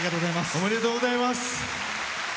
おめでとうございます。